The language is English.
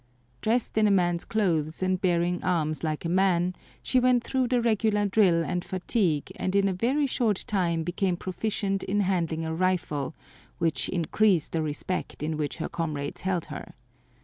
Dressed in a man's clothes and bearing arms like a man, she went through the regular drill and fatigue and in a very short time became proficient in handling a rifle which increased the respect in which her comrades held her.